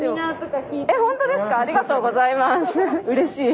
うれしい。